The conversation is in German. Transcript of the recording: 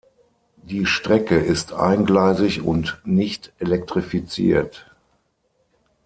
Die Strecke ist eingleisig und nicht elektrifiziert.